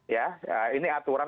ya ini aturan